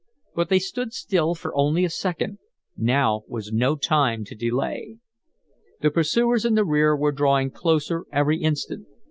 But they stood still for only a second; now was no time to delay. The pursuers in the rear were drawing closer every instant.